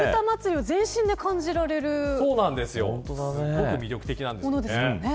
すごく魅力的なんです。